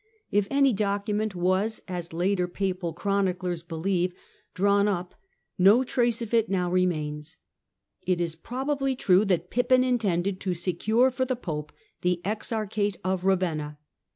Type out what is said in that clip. If any document was, as later 'apal chroniclers believe, drawn up, no trace of it now einains. It is probably true that Pippin intended to 3cure for the Pope the Exarchate of Ravenna.